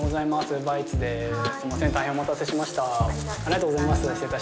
大変お待たせしました。